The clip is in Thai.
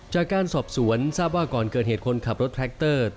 จากการสอบสวนทราบว่าก่อนเกิดเหตุคนขับรถแทรคเตอร์